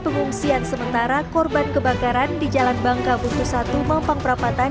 pengungsian sementara korban kebakaran di jalan bangka butuh satu mampang perapatan